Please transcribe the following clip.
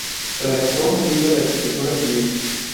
Redactó un libro de Arquitectura Civil.